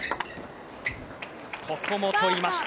ここも取りました。